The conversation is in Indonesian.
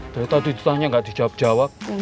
dari tadi ditanya gak dijawab jawab